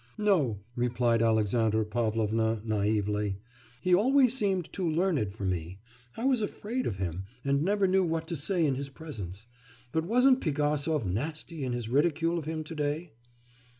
'No,' replied Alexandra Pavlovna naively, 'he always seemed too learned for me. I was afraid of him, and never knew what to say in his presence. But wasn't Pigasov nasty in his ridicule of him to day?